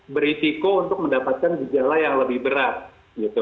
berisiko untuk mendapatkan gejala yang lebih berat gitu